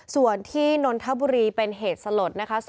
ส่วนที่นนทบุรีเป็นเหตุสลดนะคะ